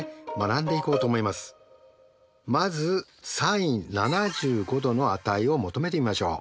まずｓｉｎ７５°の値を求めてみましょう。